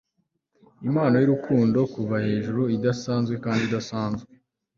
impano yurukundo kuva hejuru, idasanzwe kandi idasanzwe